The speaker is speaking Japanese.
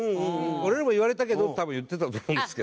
「俺らも言われたけど」って多分言ってたと思うんですけど。